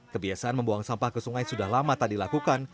kebiasaan membuang sampah ke sungai sudah lama tak dilakukan